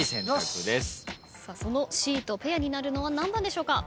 そのＣとペアになるのは何番でしょうか？